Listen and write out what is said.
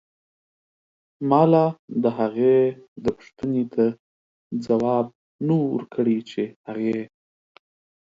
مالا دهغې دپو ښتنې ته ځواب نه و ورکړی چې هغې